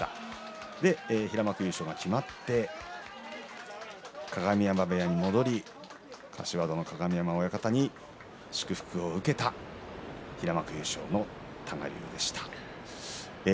それで平幕優勝が決まって鏡山部屋に戻り柏戸の鏡山親方に祝福を受けた平幕優勝の多賀竜でした。